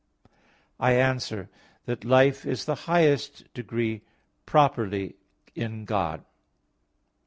I answer that, Life is in the highest degree properly in God.